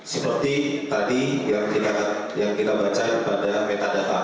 seperti tadi yang kita baca pada metadata